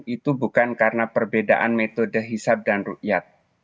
itu bukan karena perbedaan metode hisab dan rukyat